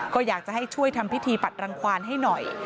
ก็อยากจะให้ช่วยทำพิธีปัดรังความให้หน่อย